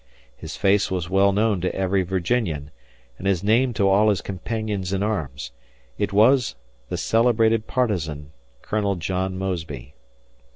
His face was well known to every Virginian, and his name to all his companions in arms; it was the celebrated partisan, Colonel John Mosby.